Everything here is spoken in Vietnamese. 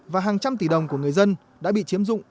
và hàng trăm tỷ đồng của người dân đã bị chiếm dụng